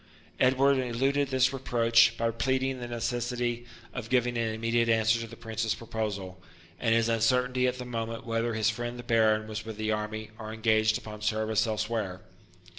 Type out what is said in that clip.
Edward eluded this reproach by pleading the necessity of giving an immediate answer to the Prince's proposal, and his uncertainty at the moment whether his friend the Baron was with the army or engaged upon service elsewhere.